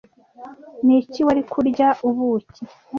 niki wari kurya Ubuki